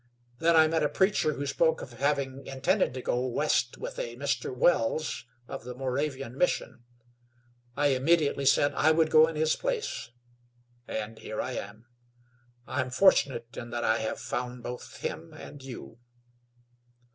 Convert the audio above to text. Then I met a preacher who spoke of having intended to go West with a Mr. Wells, of the Moravian Mission. I immediately said I would go in his place, and here I am. I'm fortunate in that I have found both him and you."